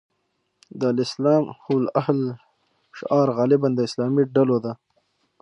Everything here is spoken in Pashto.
د الاسلام هو الحل شعار غالباً د اسلامي ډلو ده.